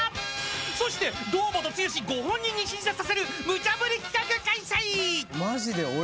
そして堂本剛ご本人に審査させるむちゃ振り企画開催。